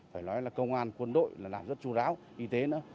phải nói là công an quân đội là làm rất chú đáo y tế nữa